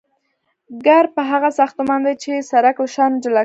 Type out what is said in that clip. کرب هغه ساختمان دی چې سرک له شانو جلا کوي